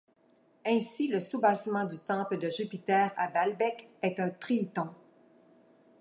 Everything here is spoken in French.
Ainsi le soubassement du temple de Jupiter à Baalbek est un trilithon.